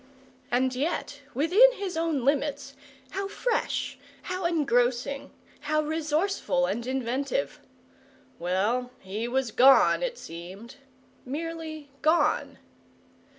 And yet, within his own limits, how fresh, how engrossing, how resourceful and inventive! Well, he was gone, it seemed merely gone.